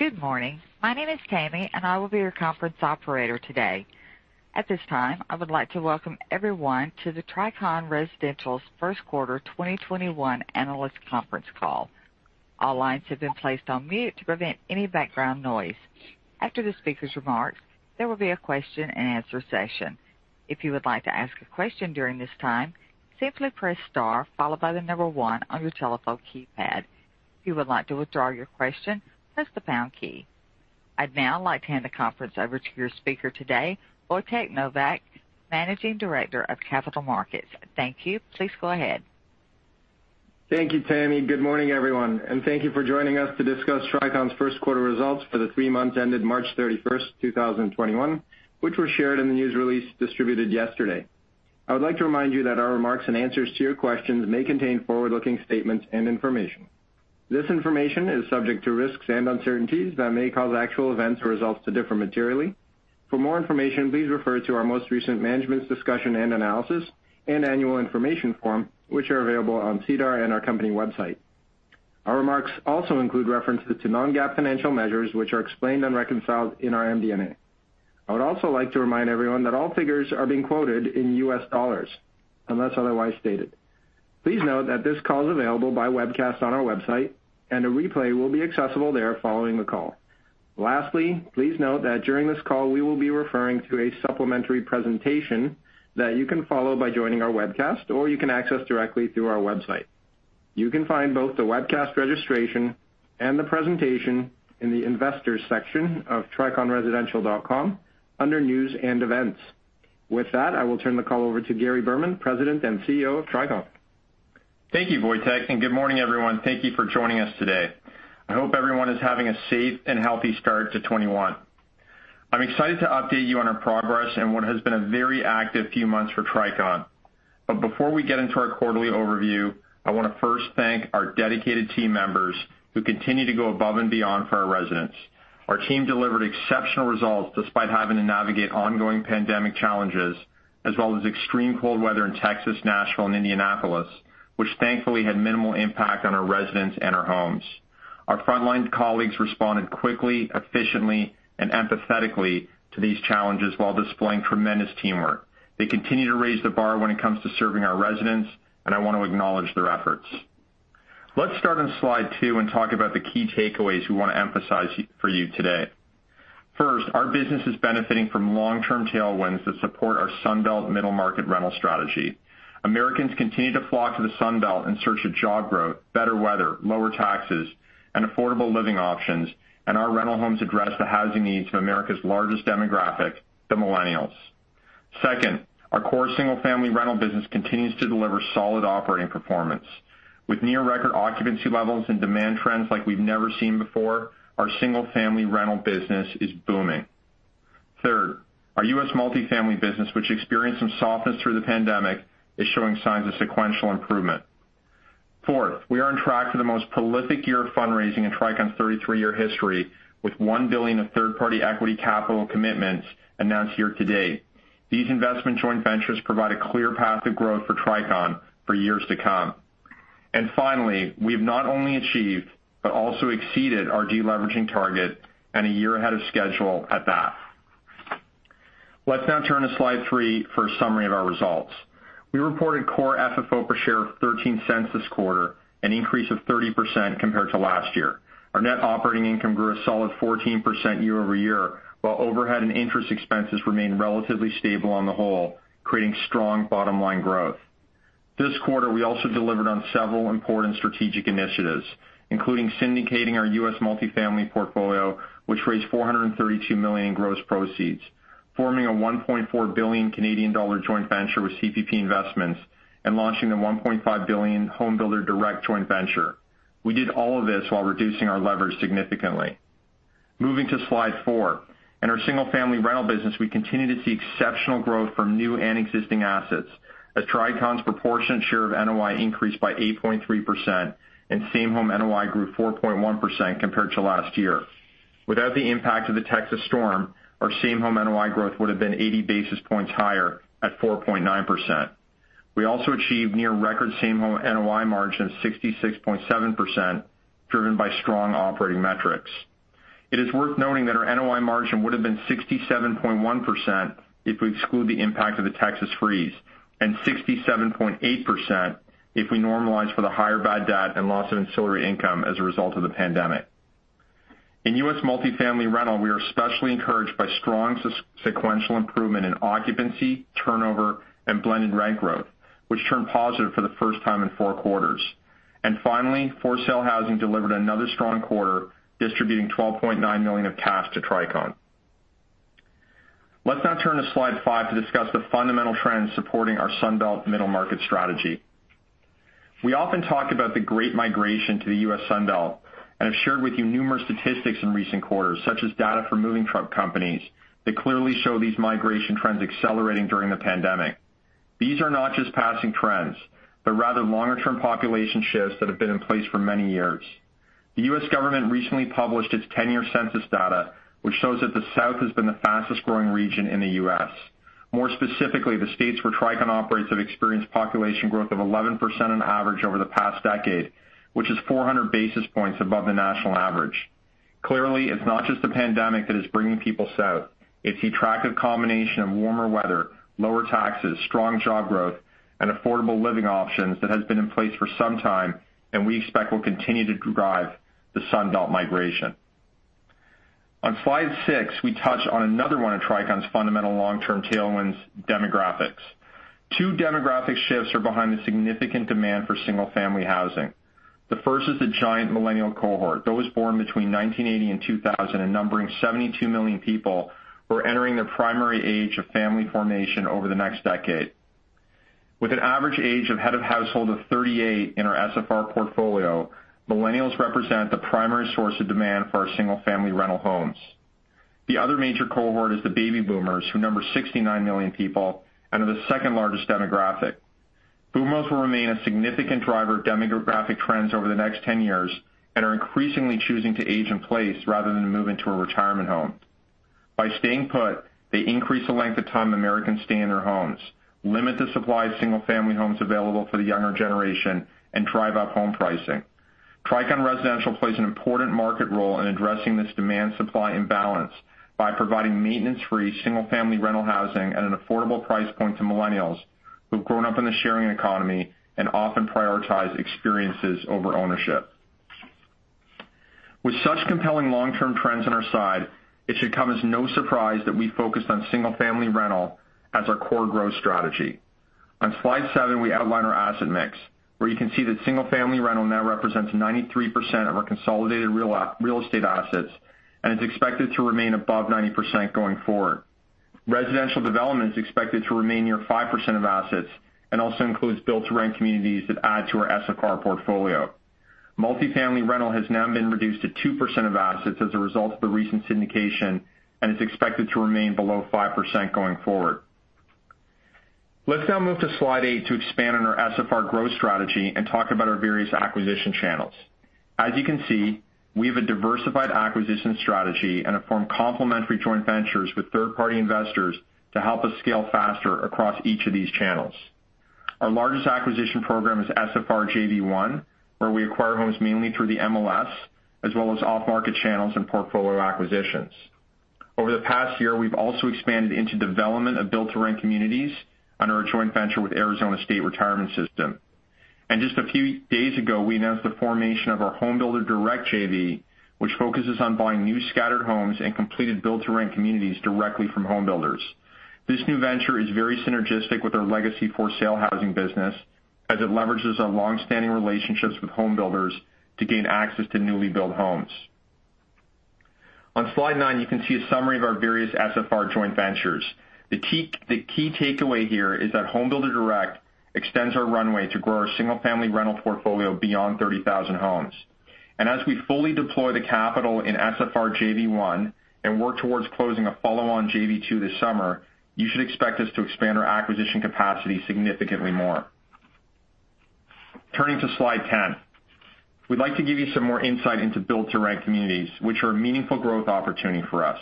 Good morning. My name is Tammy, and I will be your conference operator today. At this time, I would like to welcome everyone to the Tricon Residential's first quarter 2021 analyst conference call. All lines have been placed on mute to prevent any background noise. After the speaker's remarks, there will be a question and answer session. If you would like to ask a question during this time, simply press star followed by the number one on your telephone keypad. If you would like to withdraw your question, press the pound key. I'd now like to hand the conference over to your speaker today, Wojtek Nowak, Managing Director of Capital Markets. Thank you. Please go ahead. Thank you, Tammy. Good morning, everyone, and thank you for joining us to discuss Tricon's first quarter results for the three months ended March 31st, 2021, which were shared in the news release distributed yesterday. I would like to remind you that our remarks and answers to your questions may contain forward-looking statements and information. This information is subject to risks and uncertainties that may cause actual events or results to differ materially. For more information, please refer to our most recent Management's Discussion and Analysis and annual information form, which are available on SEDAR and our company website. Our remarks also include references to non-GAAP financial measures which are explained and reconciled in our MD&A. I would also like to remind everyone that all figures are being quoted in U.S. dollars unless otherwise stated. Please note that this call is available by webcast on our website, and a replay will be accessible there following the call. Lastly, please note that during this call, we will be referring to a supplementary presentation that you can follow by joining our webcast, or you can access directly through our website. You can find both the webcast registration and the presentation in the investors section of triconresidential.com under News and Events. With that, I will turn the call over to Gary Berman, President and Chief Executive Officer of Tricon. Thank you, Wojtek, and good morning, everyone. Thank you for joining us today. I hope everyone is having a safe and healthy start to 2021. I'm excited to update you on our progress in what has been a very active few months for Tricon. Before we get into our quarterly overview, I want to first thank our dedicated team members who continue to go above and beyond for our residents. Our team delivered exceptional results despite having to navigate ongoing pandemic challenges as well as extreme cold weather in Texas, Nashville, and Indianapolis, which thankfully had minimal impact on our residents and our homes. Our frontline colleagues responded quickly, efficiently, and empathetically to these challenges while displaying tremendous teamwork. They continue to raise the bar when it comes to serving our residents, and I want to acknowledge their efforts. Let's start on slide two and talk about the key takeaways we want to emphasize for you today. First, our business is benefiting from long-term tailwinds that support our Sun Belt middle-market rental strategy. Americans continue to flock to the Sun Belt in search of job growth, better weather, lower taxes, and affordable living options, and our rental homes address the housing needs of America's largest demographic, the millennials. Second, our core single-family rental business continues to deliver solid operating performance. With near record occupancy levels and demand trends like we've never seen before, our single-family rental business is booming. Third, our U.S. multifamily business, which experienced some softness through the pandemic, is showing signs of sequential improvement. Fourth, we are on track for the most prolific year of fundraising in Tricon's 33-year history, with $1 billion of third-party equity capital commitments announced year to date. These investment joint ventures provide a clear path of growth for Tricon for years to come. Finally, we have not only achieved but also exceeded our deleveraging target and a year ahead of schedule at that. Let's now turn to slide three for a summary of our results. We reported core FFO per share of $0.13 this quarter, an increase of 30% compared to last year. Our net operating income grew a solid 14% year-over-year, while overhead and interest expenses remained relatively stable on the whole, creating strong bottom-line growth. This quarter, we also delivered on several important strategic initiatives, including syndicating our U.S. multifamily portfolio, which raised $432 million in gross proceeds, forming a 1.4 billion Canadian dollar joint venture with CPP Investments, and launching the $1.5 billion Homebuilder Direct joint venture. We did all of this while reducing our leverage significantly. Moving to slide four. In our single-family rental business, we continue to see exceptional growth from new and existing assets, as Tricon's proportionate share of NOI increased by 8.3% and same-home NOI grew 4.1% compared to last year. Without the impact of the Texas storm, our same-home NOI growth would have been 80 basis points higher at 4.9%. We also achieved near-record same-home NOI margin of 66.7%, driven by strong operating metrics. It is worth noting that our NOI margin would have been 67.1% if we exclude the impact of the Texas freeze and 67.8% if we normalize for the higher bad debt and loss of ancillary income as a result of the pandemic. In U.S. multifamily rental, we are especially encouraged by strong sequential improvement in occupancy, turnover, and blended rent growth, which turned positive for the first time in four quarters. Finally, for-sale housing delivered another strong quarter, distributing $12.9 million of cash to Tricon. Let's now turn to slide five to discuss the fundamental trends supporting our Sun Belt middle-market strategy. We often talk about the great migration to the U.S. Sun Belt and have shared with you numerous statistics in recent quarters, such as data from moving truck companies that clearly show these migration trends accelerating during the pandemic. These are not just passing trends, but rather longer-term population shifts that have been in place for many years. The U.S. government recently published its 10-year census data, which shows that the South has been the fastest-growing region in the U.S. More specifically, the states where Tricon operates have experienced population growth of 11% on average over the past decade, which is 400 basis points above the national average. Clearly, it's not just the pandemic that is bringing people south. It's the attractive combination of warmer weather, lower taxes, strong job growth, and affordable living options that has been in place for some time, and we expect will continue to drive the Sun Belt migration. On slide six, we touch on another one of Tricon's fundamental long-term tailwinds, demographics. Two demographic shifts are behind the significant demand for single-family housing. The first is the giant millennial cohort, those born between 1980 and 2000, and numbering 72 million people, who are entering their primary age of family formation over the next decade. With an average age of head of household of 38 in our SFR portfolio, millennials represent the primary source of demand for our single-family rental homes. The other major cohort is the baby boomers, who number 69 million people and are the second-largest demographic. Boomers will remain a significant driver of demographic trends over the next 10 years and are increasingly choosing to age in place rather than to move into a retirement home. By staying put, they increase the length of time Americans stay in their homes, limit the supply of single-family homes available for the younger generation, and drive up home pricing. Tricon Residential plays an important market role in addressing this demand-supply imbalance by providing maintenance-free single-family rental housing at an affordable price point to millennials who have grown up in the sharing economy and often prioritize experiences over ownership. With such compelling long-term trends on our side, it should come as no surprise that we focused on single-family rental as our core growth strategy. On slide seven, we outline our asset mix, where you can see that single-family rental now represents 93% of our consolidated real estate assets and is expected to remain above 90% going forward. Residential development is expected to remain near 5% of assets and also includes build-to-rent communities that add to our SFR portfolio. Multifamily rental has now been reduced to 2% of assets as a result of the recent syndication and is expected to remain below 5% going forward. Let's now move to slide eight to expand on our SFR growth strategy and talk about our various acquisition channels. As you can see, we have a diversified acquisition strategy and have formed complementary joint ventures with third-party investors to help us scale faster across each of these channels. Our largest acquisition program is SFR JV-1, where we acquire homes mainly through the MLS, as well as off-market channels and portfolio acquisitions. Over the past year, we've also expanded into development of build-to-rent communities under our joint venture with Arizona State Retirement System. Just a few days ago, we announced the formation of our Home Builder Direct JV, which focuses on buying new scattered homes and completed build-to-rent communities directly from home builders. This new venture is very synergistic with our legacy for-sale housing business, as it leverages our longstanding relationships with home builders to gain access to newly built homes. On slide nine, you can see a summary of our various SFR joint ventures. The key takeaway here is that Home Builder Direct extends our runway to grow our single-family rental portfolio beyond 30,000 homes. As we fully deploy the capital in SFR JV-1 and work towards closing a follow-on JV-2 this summer, you should expect us to expand our acquisition capacity significantly more. Turning to slide 10. We'd like to give you some more insight into build-to-rent communities, which are a meaningful growth opportunity for us.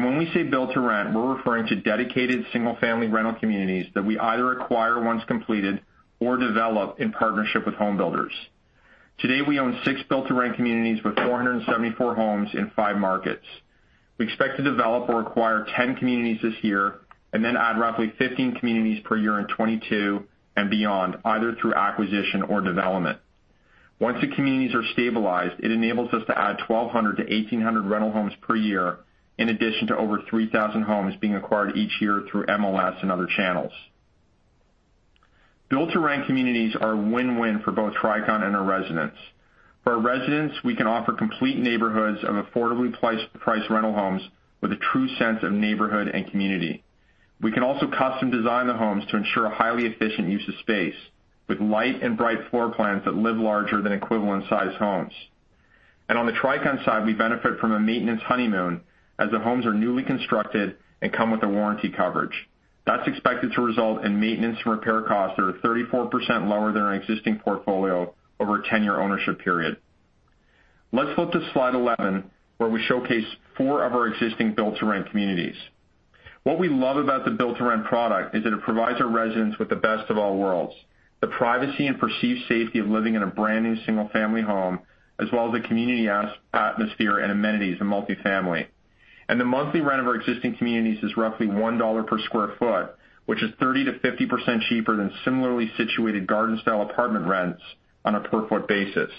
When we say build-to-rent, we're referring to dedicated single-family rental communities that we either acquire once completed or develop in partnership with home builders. To date, we own six build-to-rent communities with 474 homes in five markets. We expect to develop or acquire 10 communities this year, and then add roughly 15 communities per year in 2022 and beyond, either through acquisition or development. Once the communities are stabilized, it enables us to add 1,200-1,800 rental homes per year, in addition to over 3,000 homes being acquired each year through MLS and other channels. build-to-rent communities are a win-win for both Tricon and our residents. For our residents, we can offer complete neighborhoods of affordably priced rental homes with a true sense of neighborhood and community. We can also custom design the homes to ensure a highly efficient use of space with light and bright floor plans that live larger than equivalent-sized homes. On the Tricon side, we benefit from a maintenance honeymoon as the homes are newly constructed and come with a warranty coverage. That's expected to result in maintenance and repair costs that are 34% lower than our existing portfolio over a 10-year ownership period. Let's flip to slide 11, where we showcase four of our existing build-to-rent communities. What we love about the build-to-rent product is that it provides our residents with the best of all worlds, the privacy and perceived safety of living in a brand-new single-family home, as well as the community atmosphere and amenities of multi-family. The monthly rent of our existing communities is roughly $1 per sq ft, which is 30%-50% cheaper than similarly situated garden-style apartment rents on a per-foot basis.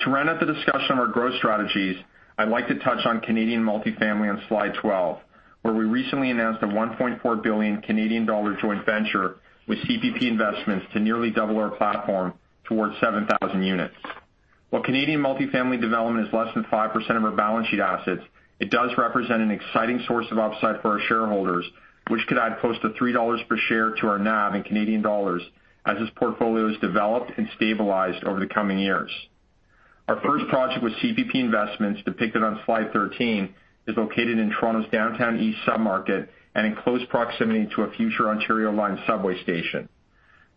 To round out the discussion of our growth strategies, I'd like to touch on Canadian multi-family on slide 12, where we recently announced a 1.4 billion Canadian dollar joint venture with CPP Investments to nearly double our platform towards 7,000 units. While Canadian multifamily development is less than 5% of our balance sheet assets, it does represent an exciting source of upside for our shareholders, which could add close to 3 dollars per share to our NAV in Canadian dollars as this portfolio is developed and stabilized over the coming years. Our first project with CPP Investments, depicted on slide 13, is located in Toronto's Downtown East sub-market and in close proximity to a future Ontario Line subway station.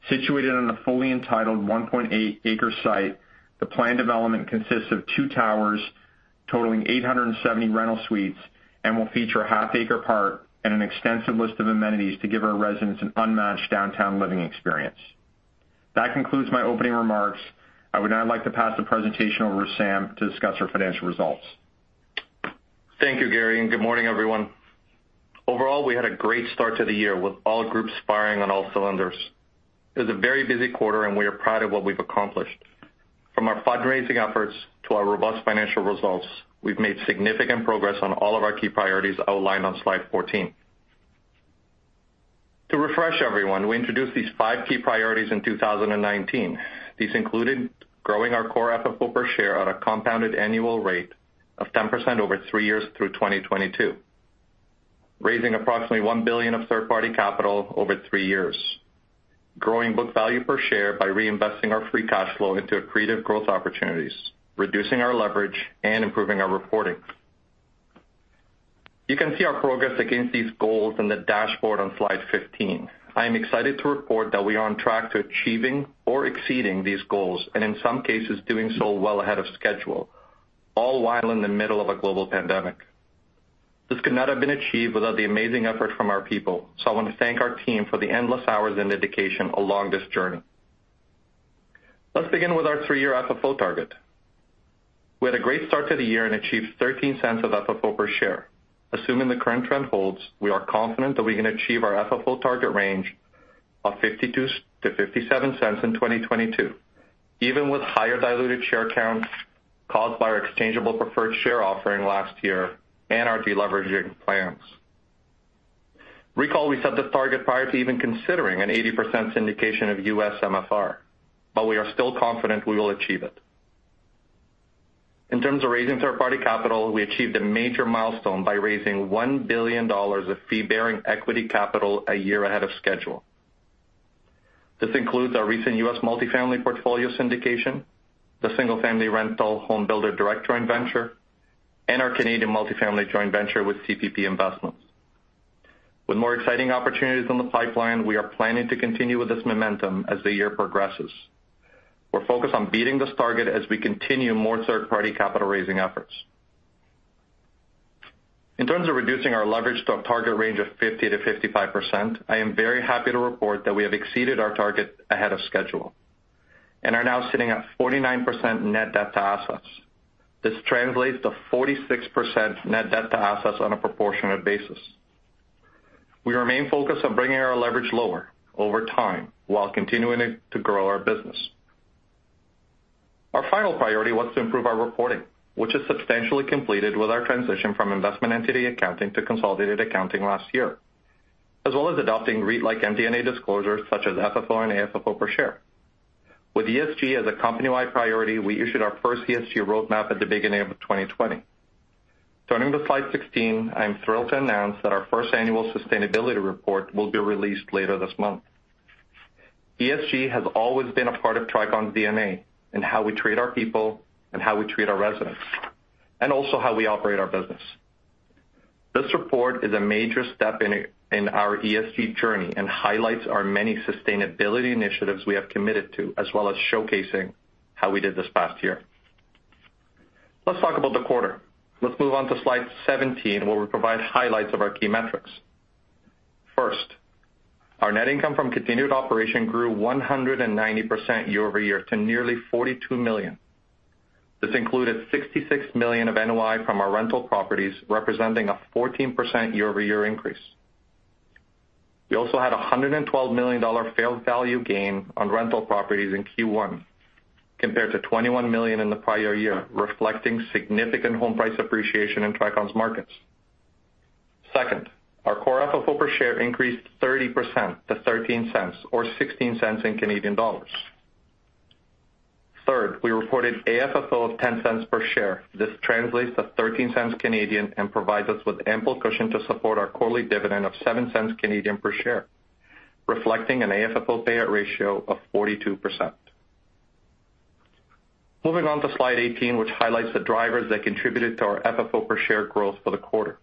Situated on a fully entitled 1.8 acre site, the planned development consists of two towers totaling 870 rental suites, and will feature a half acre park and an extensive list of amenities to give our residents an unmatched downtown living experience. That concludes my opening remarks. I would now like to pass the presentation over to Wissam to discuss our financial results. Thank you, Gary. Good morning everyone. Overall, we had a great start to the year with all groups firing on all cylinders. It was a very busy quarter. We are proud of what we've accomplished. From our fundraising efforts to our robust financial results, we've made significant progress on all of our key priorities outlined on slide 14. To refresh everyone, we introduced these five key priorities in 2019. These included growing our core FFO per share at a compounded annual rate of 10% over three years through 2022, raising approximately $1 billion of third-party capital over three years, growing book value per share by reinvesting our free cash flow into accretive growth opportunities, reducing our leverage, and improving our reporting. You can see our progress against these goals in the dashboard on slide 15. I am excited to report that we are on track to achieving or exceeding these goals, and in some cases, doing so well ahead of schedule, all while in the middle of a global pandemic. This could not have been achieved without the amazing effort from our people, so I want to thank our team for the endless hours and dedication along this journey. Let's begin with our three-year FFO target. We had a great start to the year and achieved $0.13 of FFO per share. Assuming the current trend holds, we are confident that we can achieve our FFO target range of $0.52-$0.57 in 2022, even with higher diluted share counts caused by our exchangeable preferred share offering last year and our de-leveraging plans. Recall we set this target prior to even considering an 80% syndication of U.S. MFR. We are still confident we will achieve it. In terms of raising third-party capital, we achieved a major milestone by raising $1 billion of fee-bearing equity capital a year ahead of schedule. This includes our recent U.S. multifamily portfolio syndication, the single-family rental Homebuilder Direct JV, and our Canadian multifamily joint venture with CPP Investments. With more exciting opportunities in the pipeline, we are planning to continue with this momentum as the year progresses. We're focused on beating this target as we continue more third-party capital raising efforts. In terms of reducing our leverage to a target range of 50%-55%, I am very happy to report that we have exceeded our target ahead of schedule and are now sitting at 49% net debt to assets. This translates to 46% net debt to assets on a proportionate basis. We remain focused on bringing our leverage lower over time while continuing to grow our business. Our final priority was to improve our reporting, which is substantially completed with our transition from investment entity accounting to consolidated accounting last year, as well as adopting REIT-like MD&A disclosures such as FFO and AFFO per share. With ESG as a company-wide priority, we issued our first ESG roadmap at the beginning of 2020. Turning to slide 16, I am thrilled to announce that our first annual sustainability report will be released later this month. ESG has always been a part of Tricon's DNA in how we treat our people and how we treat our residents, and also how we operate our business. This report is a major step in our ESG journey and highlights our many sustainability initiatives we have committed to, as well as showcasing how we did this past year. Let's talk about the quarter. Let's move on to slide 17, where we provide highlights of our key metrics. First, our net income from continued operation grew 190% year-over-year to nearly $42 million. This included $66 million of NOI from our rental properties, representing a 14% year-over-year increase. We also had $112 million fair value gain on rental properties in Q1, compared to $21 million in the prior year, reflecting significant home price appreciation in Tricon's markets. Second, our core FFO per share increased 30% to $0.13, or 0.16. Third, we reported AFFO of $0.10 per share. This translates to 0.13 and provides us with ample cushion to support our quarterly dividend of 0.07 per share, reflecting an AFFO payout ratio of 42%. Moving on to slide 18, which highlights the drivers that contributed to our FFO per share growth for the quarter.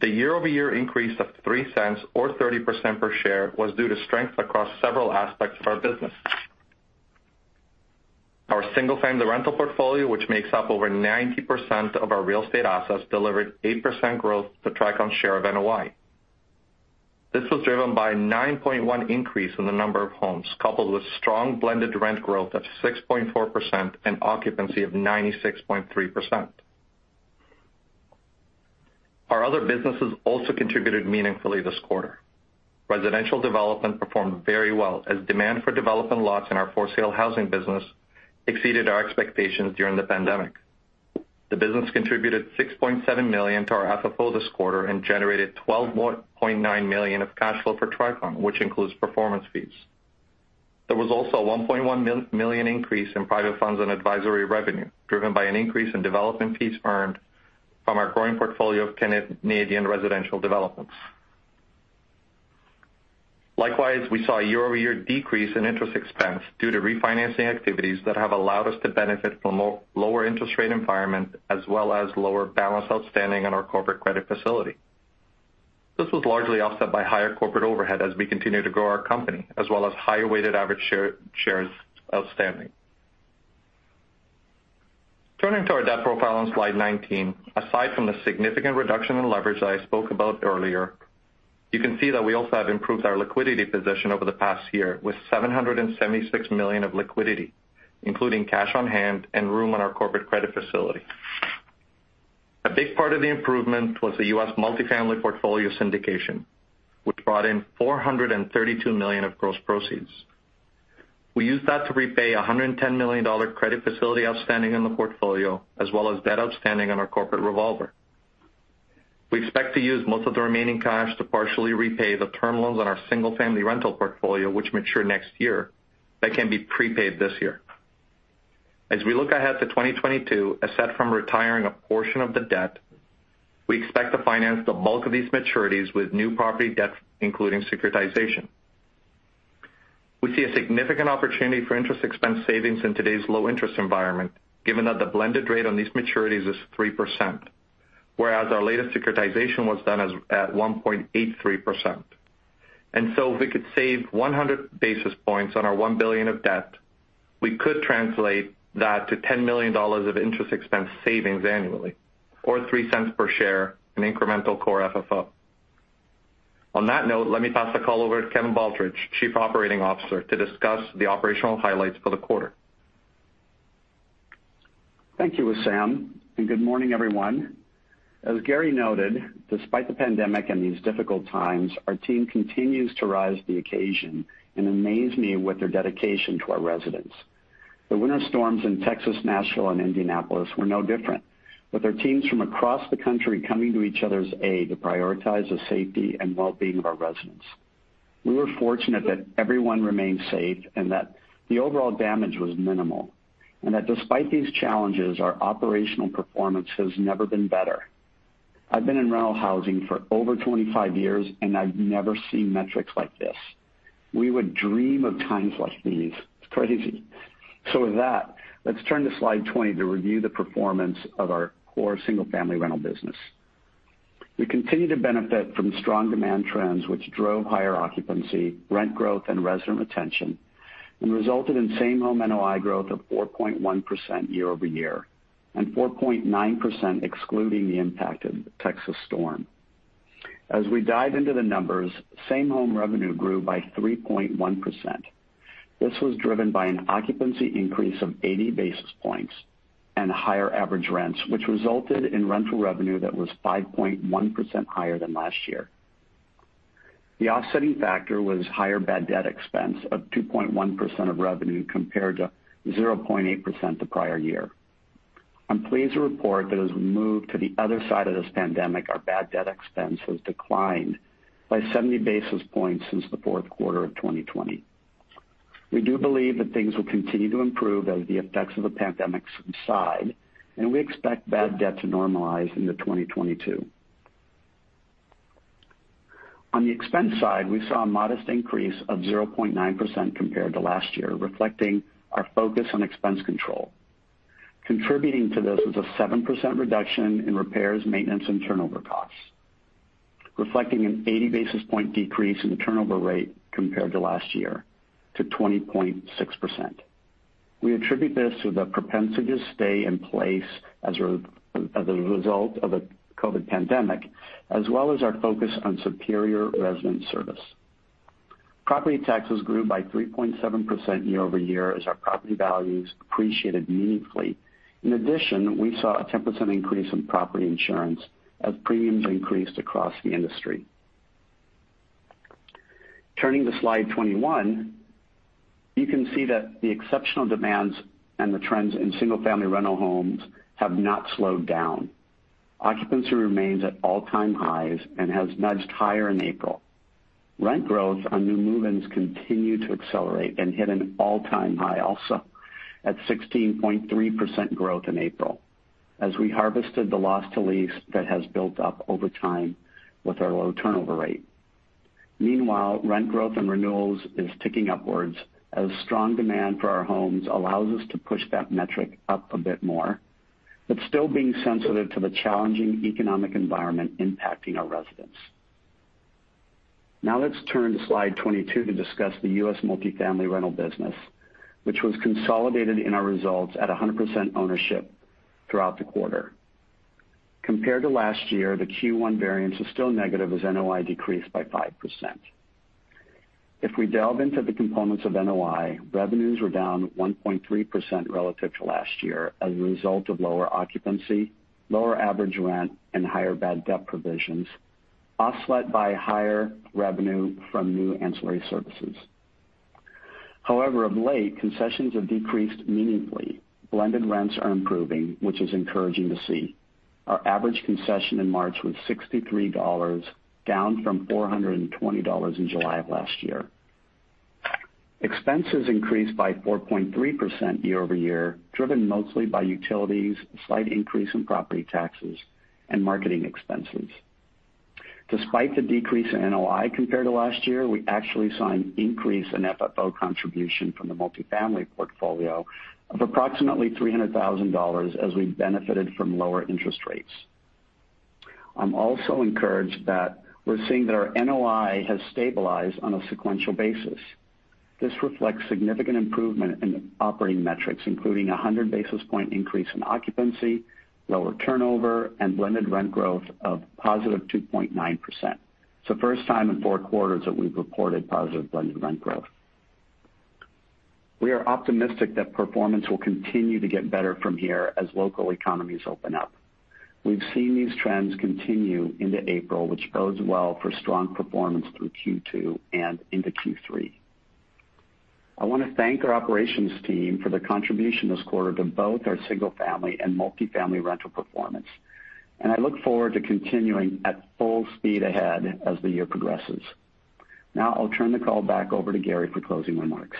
The year-over-year increase of 0.03 or 30% per share was due to strength across several aspects of our business. Our single-family rental portfolio, which makes up over 90% of our real estate assets, delivered 8% growth to Tricon's share of NOI. This was driven by 9.1 increase in the number of homes, coupled with strong blended rent growth of 6.4% and occupancy of 96.3%. Our other businesses also contributed meaningfully this quarter. Residential development performed very well, as demand for development lots in our for-sale housing business exceeded our expectations during the pandemic. The business contributed $6.7 million to our FFO this quarter and generated $12.9 million of cash flow for Tricon, which includes performance fees. There was also a $1.1 million increase in private funds and advisory revenue, driven by an increase in development fees earned from our growing portfolio of Canadian residential developments. Likewise, we saw a year-over-year decrease in interest expense due to refinancing activities that have allowed us to benefit from a lower interest rate environment as well as lower balance outstanding on our corporate credit facility. This was largely offset by higher corporate overhead as we continue to grow our company, as well as higher weighted average shares outstanding. Turning to our debt profile on slide 19, aside from the significant reduction in leverage that I spoke about earlier, you can see that we also have improved our liquidity position over the past year with $776 million of liquidity, including cash on hand and room on our corporate credit facility. A big part of the improvement was the U.S. multifamily portfolio syndication, which brought in $432 million of gross proceeds. We used that to repay $110 million credit facility outstanding in the portfolio, as well as debt outstanding on our corporate revolver. We expect to use most of the remaining cash to partially repay the term loans on our single-family rental portfolio, which mature next year, that can be prepaid this year. As we look ahead to 2022, aside from retiring a portion of the debt, we expect to finance the bulk of these maturities with new property debt, including securitization. We see a significant opportunity for interest expense savings in today's low-interest environment, given that the blended rate on these maturities is 3%, whereas our latest securitization was done at 1.83%. We could save 100 basis points on our $1 billion of debt. We could translate that to $10 million of interest expense savings annually, or $0.03 per share in incremental core FFO. On that note, let me pass the call over to Kevin Baldridge, Chief Operating Officer, to discuss the operational highlights for the quarter. Thank you, Wissam, and good morning, everyone. As Gary noted, despite the pandemic and these difficult times, our team continues to rise to the occasion and amaze me with their dedication to our residents. The winter storms in Texas, Nashville, and Indianapolis were no different, with our teams from across the country coming to each other's aid to prioritize the safety and well-being of our residents. We were fortunate that everyone remained safe and that the overall damage was minimal, and that despite these challenges, our operational performance has never been better. I've been in rental housing for over 25 years, and I've never seen metrics like this. We would dream of times like these. It's crazy. With that, let's turn to slide 20 to review the performance of our core single-family rental business. We continue to benefit from strong demand trends, which drove higher occupancy, rent growth, and resident retention, and resulted in same-home NOI growth of 4.1% year-over-year, and 4.9% excluding the impact of the Texas storm. We dive into the numbers, same-home revenue grew by 3.1%. This was driven by an occupancy increase of 80 basis points and higher average rents, which resulted in rental revenue that was 5.1% higher than last year. The offsetting factor was higher bad debt expense of 2.1% of revenue compared to 0.8% the prior year. I'm pleased to report that as we move to the other side of this pandemic, our bad debt expense has declined by 70 basis points since the fourth quarter of 2020. We do believe that things will continue to improve as the effects of the pandemic subside, and we expect bad debt to normalize into 2022. On the expense side, we saw a modest increase of 0.9% compared to last year, reflecting our focus on expense control. Contributing to this was a 7% reduction in repairs, maintenance, and turnover costs, reflecting an 80 basis point decrease in the turnover rate compared to last year to 20.6%. We attribute this to the propensity to stay in place as a result of the COVID pandemic, as well as our focus on superior resident service. Property taxes grew by 3.7% year-over-year as our property values appreciated meaningfully. In addition, we saw a 10% increase in property insurance as premiums increased across the industry. Turning to slide 21, you can see that the exceptional demands and the trends in single-family rental homes have not slowed down. Occupancy remains at all-time highs and has nudged higher in April. Rent growth on new move-ins continue to accelerate and hit an all-time high also at 16.3% growth in April as we harvested the loss to lease that has built up over time with our low turnover rate. Meanwhile, rent growth and renewals is ticking upwards as strong demand for our homes allows us to push that metric up a bit more, but still being sensitive to the challenging economic environment impacting our residents. Let's turn to slide 22 to discuss the U.S. multifamily rental business, which was consolidated in our results at 100% ownership throughout the quarter. Compared to last year, the Q1 variance is still negative as NOI decreased by 5%. If we delve into the components of NOI, revenues were down 1.3% relative to last year as a result of lower occupancy, lower average rent, and higher bad debt provisions, offset by higher revenue from new ancillary services. Of late, concessions have decreased meaningfully. Blended rents are improving, which is encouraging to see. Our average concession in March was $63, down from $420 in July of last year. Expenses increased by 4.3% year-over-year, driven mostly by utilities, a slight increase in property taxes, and marketing expenses. Despite the decrease in NOI compared to last year, we actually saw an increase in FFO contribution from the multifamily portfolio of approximately $300,000 as we benefited from lower interest rates. I'm also encouraged that we're seeing that our NOI has stabilized on a sequential basis. This reflects significant improvement in operating metrics, including 100 basis point increase in occupancy, lower turnover, and blended rent growth of positive 2.9%. It's the first time in four quarters that we've reported positive blended rent growth. We are optimistic that performance will continue to get better from here as local economies open up. We've seen these trends continue into April, which bodes well for strong performance through Q2 and into Q3. I want to thank our operations team for their contribution this quarter to both our single-family and multi-family rental performance, and I look forward to continuing at full speed ahead as the year progresses. Now I'll turn the call back over to Gary for closing remarks.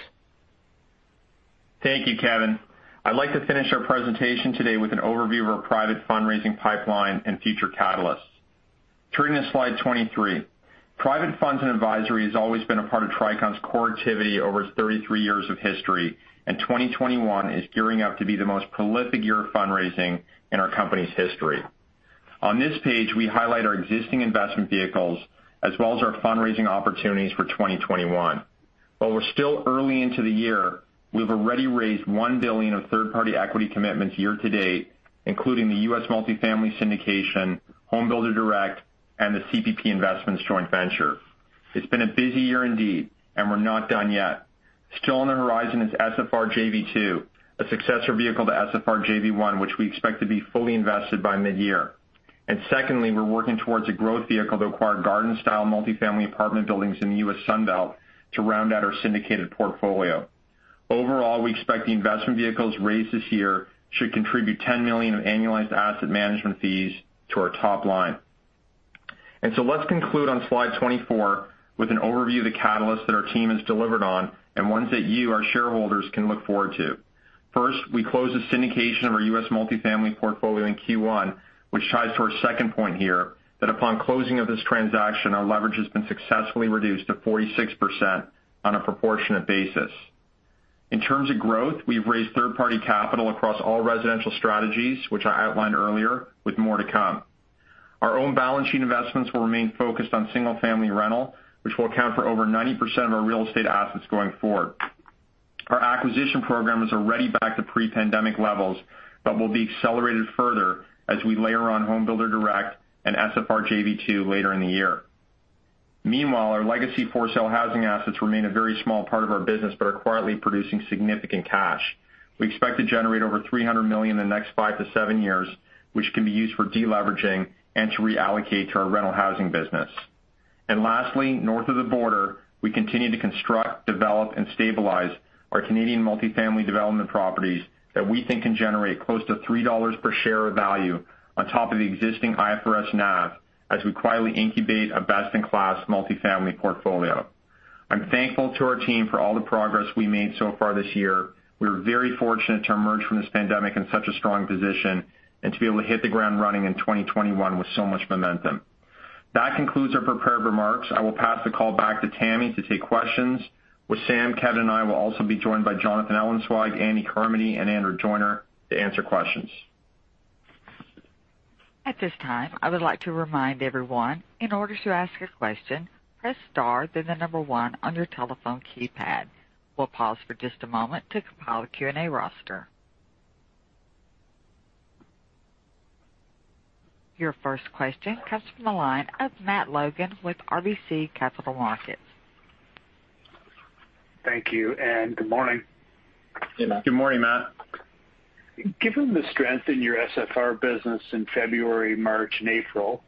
Thank you, Kevin. I'd like to finish our presentation today with an overview of our private fundraising pipeline and future catalysts. Turning to slide 23. Private funds and advisory has always been a part of Tricon's core activity over its 33 years of history. 2021 is gearing up to be the most prolific year of fundraising in our company's history. On this page, we highlight our existing investment vehicles as well as our fundraising opportunities for 2021. While we're still early into the year, we've already raised $1 billion of third-party equity commitments year to date, including the U.S. multifamily syndication, Homebuilder Direct, and the CPP Investments joint venture. It's been a busy year indeed. We're not done yet. Still on the horizon is SFR JV-2, a successor vehicle to SFR JV-1, which we expect to be fully invested by mid-year. Secondly, we're working towards a growth vehicle to acquire garden-style multifamily apartment buildings in the U.S. Sun Belt to round out our syndicated portfolio. Overall, we expect the investment vehicles raised this year should contribute $10 million of annualized asset management fees to our top line. Let's conclude on slide 24 with an overview of the catalysts that our team has delivered on and ones that you, our shareholders, can look forward to. First, we closed the syndication of our U.S. multifamily portfolio in Q1, which ties to our second point here, that upon closing of this transaction, our leverage has been successfully reduced to 46% on a proportionate basis. In terms of growth, we've raised third-party capital across all residential strategies, which I outlined earlier, with more to come. Our own balance sheet investments will remain focused on single-family rental, which will account for over 90% of our real estate assets going forward. Our acquisition program is already back to pre-pandemic levels, but will be accelerated further as we layer on Home Builder Direct and SFR JV-2 later in the year. Meanwhile, our legacy for-sale housing assets remain a very small part of our business but are quietly producing significant cash. We expect to generate over $300 million in the next five to seven years, which can be used for de-leveraging and to reallocate to our rental housing business. Lastly, north of the border, we continue to construct, develop, and stabilize our Canadian multifamily development properties that we think can generate close to $3 per share of value on top of the existing IFRS NAV as we quietly incubate a best-in-class multifamily portfolio. I'm thankful to our team for all the progress we made so far this year. We are very fortunate to emerge from this pandemic in such a strong position and to be able to hit the ground running in 2021 with so much momentum. That concludes our prepared remarks. I will pass the call back to Tammy to take questions, Wissam, Kevin, and I will also be joined by Jonathan Ellenzweig, Andy Carmody, and Andrew Joyner to answer questions. We'll pause for just a moment to compile a Q&A roster. Your first question comes from the line of Matt Logan with RBC Capital Markets. Thank you, and good morning. Good morning, Matt. Good morning, Matt. Given the strength in your SFR business in February, March, and April,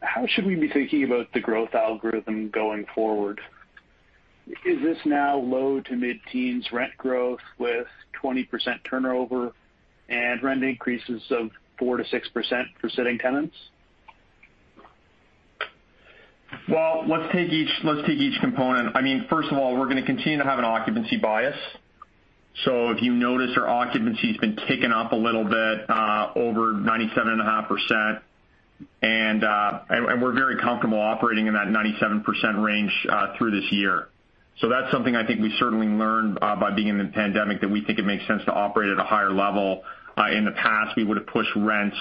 how should we be thinking about the growth algorithm going forward? Is this now low to mid-teens rent growth with 20% turnover and rent increases of 4%-6% for sitting tenants? Let's take each component. First of all, we're going to continue to have an occupancy bias. If you notice, our occupancy has been ticking up a little bit, over 97.5%, and we're very comfortable operating in that 97% range through this year. That's something I think we certainly learned by being in the pandemic, that we think it makes sense to operate at a higher level. In the past, we would've pushed rents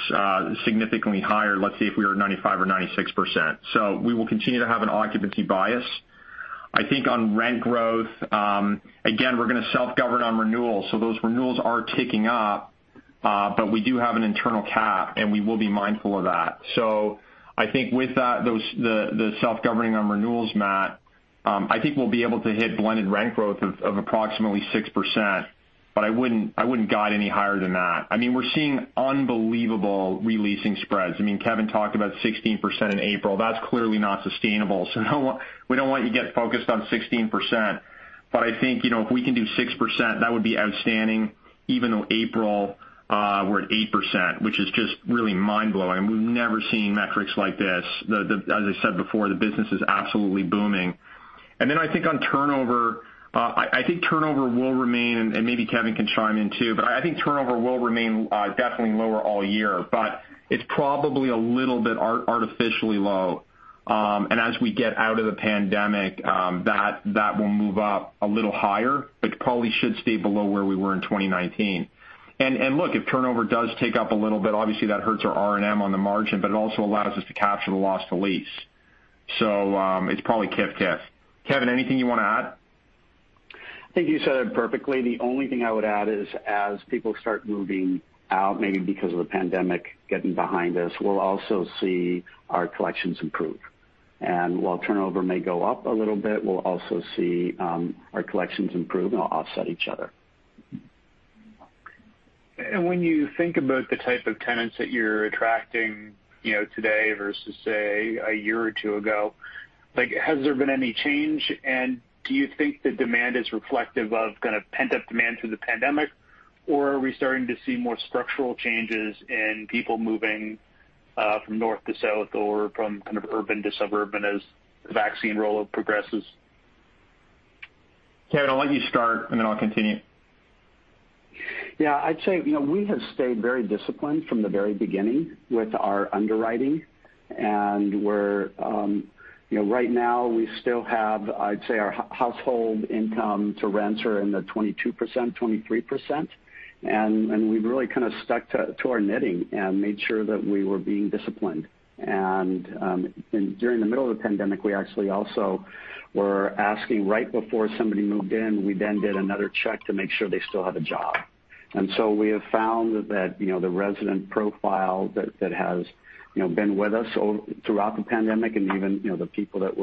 significantly higher, let's say, if we were at 95% or 96%. We will continue to have an occupancy bias. I think on rent growth, again, we're going to self-govern on renewals. Those renewals are ticking up, but we do have an internal cap, and we will be mindful of that. I think with the self-governing on renewals, Matt, I think we'll be able to hit blended rent growth of approximately 6%, but I wouldn't guide any higher than that. We're seeing unbelievable re-leasing spreads. Kevin talked about 16% in April. That's clearly not sustainable. We don't want you to get focused on 16%, but I think if we can do 6%, that would be outstanding, even though April we're at 8%, which is just really mind-blowing. We've never seen metrics like this. As I said before, the business is absolutely booming. I think on turnover, I think turnover will remain, and maybe Kevin can chime in too, but I think turnover will remain definitely lower all year. It's probably a little bit artificially low. As we get out of the pandemic, that will move up a little higher, but probably should stay below where we were in 2019. Look, if turnover does tick up a little bit, obviously that hurts our R&M on the margin, but it also allows us to capture the loss to lease. It's probably. Kevin, anything you want to add? I think you said it perfectly. The only thing I would add is as people start moving out, maybe because of the pandemic getting behind us, we'll also see our collections improve. While turnover may go up a little bit, we'll also see our collections improve and offset each other. When you think about the type of tenants that you're attracting today versus say, a year or two ago, has there been any change? Do you think the demand is reflective of kind of pent-up demand through the pandemic? Or are we starting to see more structural changes in people moving from north to south or from kind of urban to suburban as the vaccine rollout progresses? Kevin, I'll let you start, and then I'll continue. Yeah, I'd say we have stayed very disciplined from the very beginning with our underwriting. Right now we still have, I'd say our household income to rents are in the 22%, 23%. We've really kind of stuck to our knitting and made sure that we were being disciplined. During the middle of the pandemic, we actually also were asking right before somebody moved in, we did another check to make sure they still have a job. We have found that the resident profile that has been with us throughout the pandemic and even the people that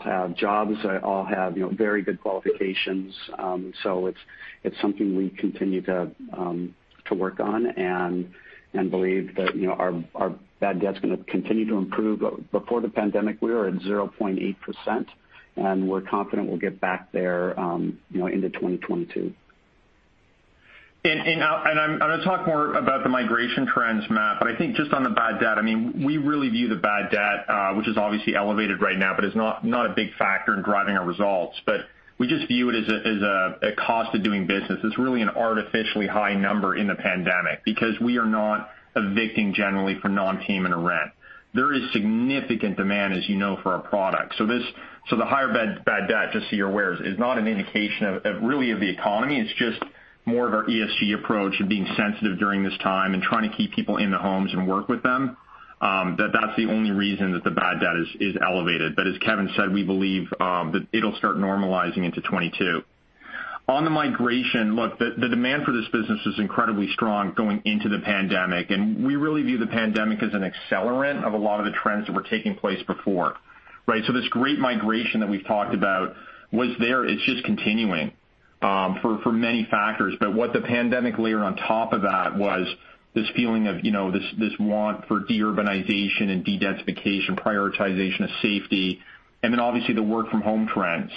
have jobs all have very good qualifications. It's something we continue to work on and believe that our bad debt's going to continue to improve. Before the pandemic, we were at 0.8%. We're confident we'll get back there into 2022. I'm going to talk more about the migration trends, Matt, but I think just on the bad debt, we really view the bad debt which is obviously elevated right now, but is not a big factor in driving our results. We just view it as a cost of doing business. It's really an artificially high number in the pandemic because we are not evicting generally for non-payment of rent. There is significant demand, as you know, for our product. The higher bad debt, just so you're aware, is not an indication really of the economy. It's just more of our ESG approach of being sensitive during this time and trying to keep people in the homes and work with them. That's the only reason that the bad debt is elevated. As Kevin said, we believe that it'll start normalizing into 2022. On the migration, look, the demand for this business was incredibly strong going into the pandemic, and we really view the pandemic as an accelerant of a lot of the trends that were taking place before. Right? This great migration that we've talked about was there. It's just continuing for many factors. What the pandemic layered on top of that was this feeling of this want for de-urbanization and de-densification, prioritization of safety, and then obviously the work from home trends.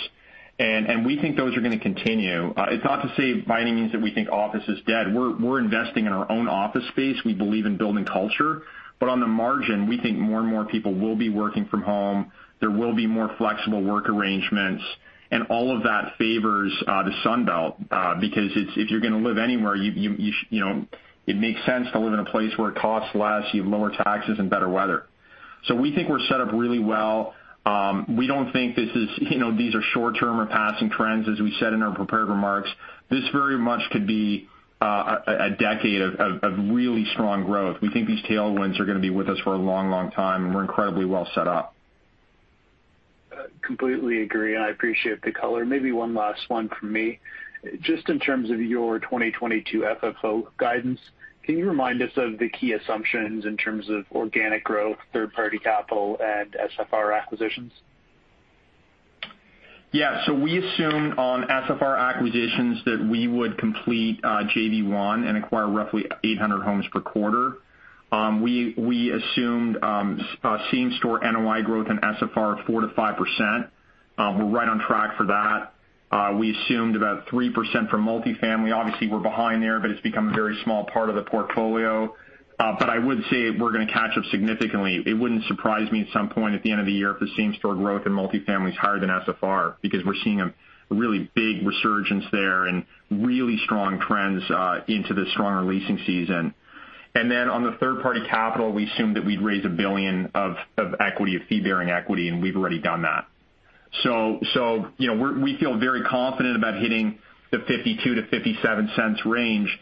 We think those are going to continue. It's not to say by any means that we think office is dead. We're investing in our own office space. We believe in building culture. On the margin, we think more and more people will be working from home. There will be more flexible work arrangements, and all of that favors the Sun Belt because if you're going to live anywhere, it makes sense to live in a place where it costs less, you have lower taxes, and better weather. We think we're set up really well. We don't think these are short-term or passing trends, as we said in our prepared remarks. This very much could be a decade of really strong growth. We think these tailwinds are going to be with us for a long time, and we're incredibly well set up. I completely agree, and I appreciate the color. Maybe one last one from me. Just in terms of your 2022 FFO guidance, can you remind us of the key assumptions in terms of organic growth, third-party capital, and SFR acquisitions? Yeah. We assume on SFR acquisitions that we would complete JV-1 and acquire roughly 800 homes per quarter. We assumed same store NOI growth in SFR of 4%-5%. We're right on track for that. We assumed about 3% for multi-family. Obviously, we're behind there, but it's become a very small part of the portfolio. I would say we're going to catch up significantly. It wouldn't surprise me at some point at the end of the year if the same store growth in multi-family is higher than SFR because we're seeing a really big resurgence there and really strong trends into the stronger leasing season. Then on the third-party capital, we assumed that we'd raise a billion of fee-bearing equity, and we've already done that. We feel very confident about hitting the $0.52-$0.57 range.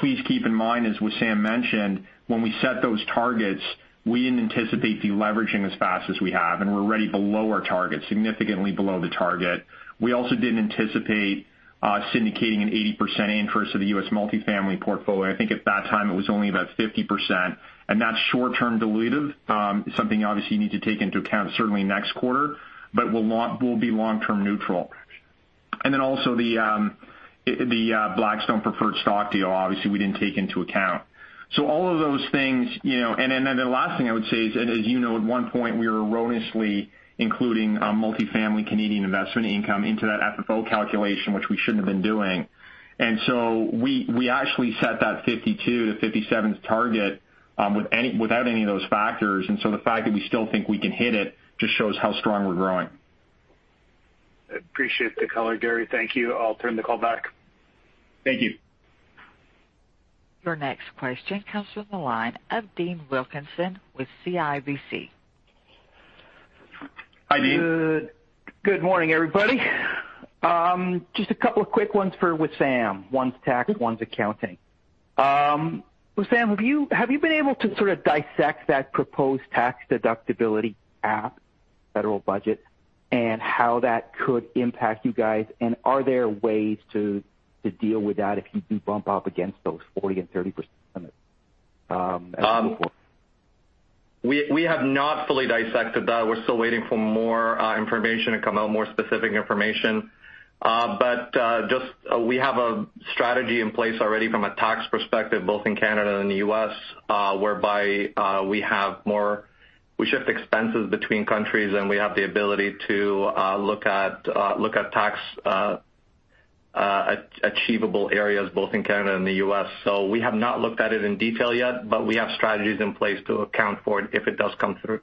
Please keep in mind, as Wissam mentioned, when we set those targets, we didn't anticipate deleveraging as fast as we have, and we're already below our target, significantly below the target. We also didn't anticipate syndicating an 80% interest of the U.S. multifamily portfolio. I think at that time it was only about 50%, and that's short-term dilutive. Something obviously you need to take into account certainly next quarter, but will be long-term neutral. Also the Blackstone preferred stock deal, obviously, we didn't take into account. All of those things. The last thing I would say is, as you know, at one point, we were erroneously including multifamily Canadian investment income into that FFO calculation, which we shouldn't have been doing. We actually set that $0.52-$0.57 target without any of those factors. The fact that we still think we can hit it just shows how strong we're growing. Appreciate the color, Gary. Thank you. I'll turn the call back. Thank you. Your next question comes from the line of Dean Wilkinson with CIBC. Hi, Dean. Good morning, everybody. Just a couple of quick ones for Wissam. One's tax, one's accounting. Wissam, have you been able to sort of dissect that proposed tax deductibility cap, federal budget, and how that could impact you guys? Are there ways to deal with that if you do bump up against those 40% and 30% limits, as you go forward? We have not fully dissected that. We're still waiting for more information to come out, more specific information. We have a strategy in place already from a tax perspective, both in Canada and the U.S., whereby we shift expenses between countries, and we have the ability to look at tax achievable areas both in Canada and the U.S. We have not looked at it in detail yet, but we have strategies in place to account for it if it does come through.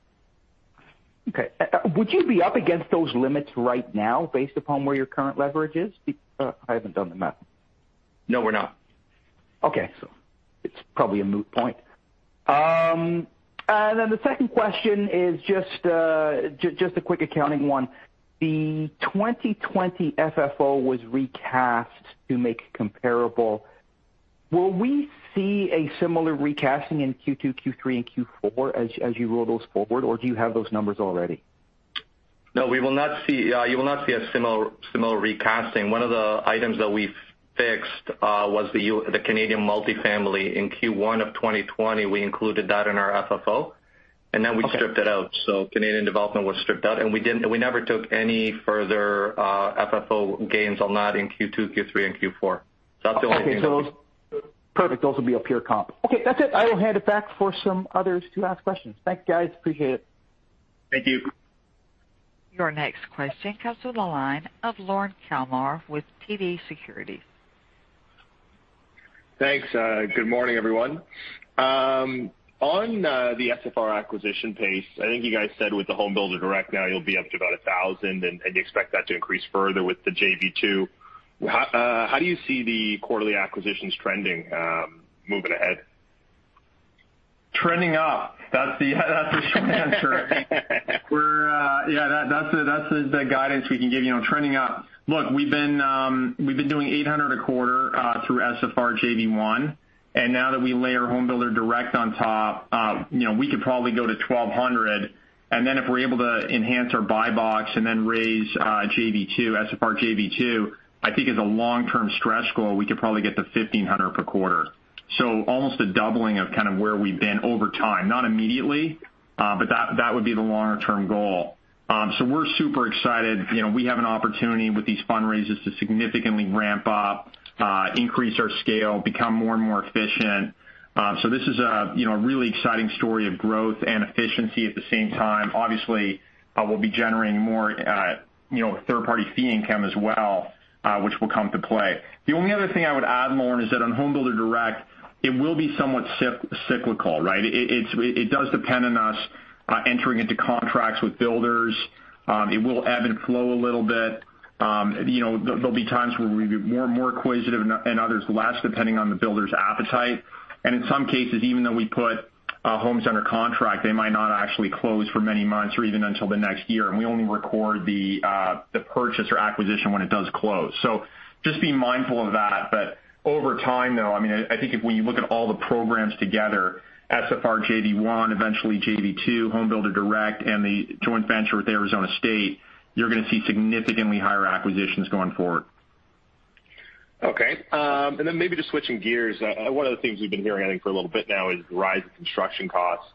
Okay. Would you be up against those limits right now based upon where your current leverage is? Because I haven't done the math. No, we're not. It's probably a moot point. The second question is just a quick accounting one. The 2020 FFO was recast to make it comparable. Will we see a similar recasting in Q2, Q3, and Q4 as you roll those forward, or do you have those numbers already? No, you will not see a similar recasting. One of the items that we fixed was the Canadian multifamily. In Q1 of 2020, we included that in our FFO. Okay. Then we stripped it out, so Canadian development was stripped out, and we never took any further FFO gains on that in Q2, Q3, and Q4. Okay. Perfect. Those will be a pure comp. Okay, that's it. I will hand it back for some others to ask questions. Thank you, guys. Appreciate it. Thank you. Your next question comes from the line of Lorne Kalmar with TD Securities. Thanks. Good morning, everyone. On the SFR acquisition pace, I think you guys said with the Homebuilder Direct now you'll be up to about 1,000, and you expect that to increase further with the JV-2. How do you see the quarterly acquisitions trending moving ahead? Trending up. That's the short answer. That's the guidance we can give you. Trending up. Look, we've been doing 800 a quarter through SFR JV-1, and now that we layer Homebuilder Direct on top we could probably go to 1,200. If we're able to enhance our buy box and then raise SFR JV-2, I think as a long-term stretch goal, we could probably get to 1,500 per quarter. Almost a doubling of kind of where we've been over time. Not immediately but that would be the longer-term goal. We're super excited. We have an opportunity with these fundraisers to significantly ramp up, increase our scale, become more and more efficient. This is a really exciting story of growth and efficiency at the same time. Obviously, we'll be generating more third-party fee income as well which will come to play. The only other thing I would add, Lorne, is that on Homebuilder Direct, it will be somewhat cyclical, right? It does depend on us entering into contracts with builders. It will ebb and flow a little bit. There'll be times where we'll be more acquisitive and others less, depending on the builder's appetite. In some cases, even though we put homes under contract, they might not actually close for many months or even until the next year. We only record the purchase or acquisition when it does close. Just be mindful of that. Over time, though, I think if when you look at all the programs together, SFR JV-1, eventually JV2, Homebuilder Direct, and the joint venture with Arizona State, you're going to see significantly higher acquisitions going forward. Okay. Maybe just switching gears. One of the things we've been hearing, I think, for a little bit now is the rise of construction costs.